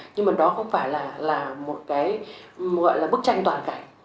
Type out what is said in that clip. nhưng mà đó không phải là một bức tranh toàn cảnh